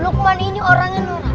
lukman ini orangnya nora